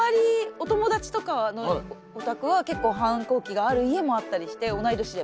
お友達とかのお宅は結構反抗期がある家もあったりして同い年でも。